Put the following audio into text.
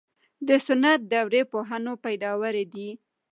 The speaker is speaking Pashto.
د سنت دورې پوهنو پیداوار دي.